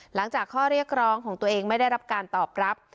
หลังจากข้อเรียกร้องของตัวเองไม่ได้รับการตอบรับ